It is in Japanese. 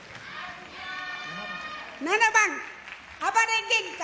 ７番「あばれ玄海」。